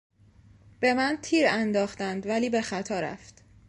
به من تیرانداختند ولی به خطا رفت.